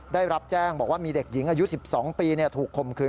ได้รับแจ้งบอกว่ามีเด็กหญิงอายุ๑๒ปีถูกคมคืน